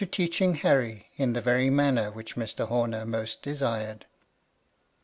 259 eaching Harry in the very manner which Mr. Horner most desired.